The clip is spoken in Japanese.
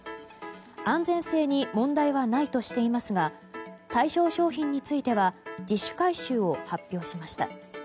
安全性に問題はないとしていますが対象商品については自主回収を発表しました。